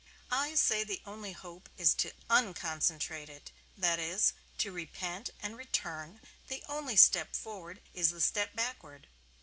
I say the only hope is to unconcentrate it; that is, to repent and return; the only step forward is the step backward.